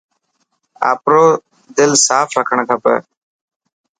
آپرو دل ساف رکڻ کپي.